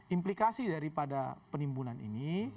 implikasi daripada penimbunan ini